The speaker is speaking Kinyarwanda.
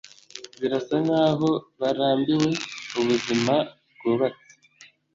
Birasa nkaho barambiwe ubuzima bwubatse